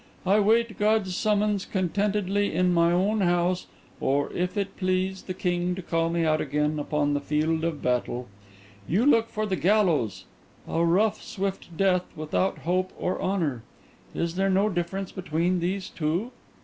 I wait God's summons contentedly in my own house, or, if it please the king to call me out again, upon the field of battle. You look for the gallows; a rough, swift death, without hope or honour. Is there no difference between these two?"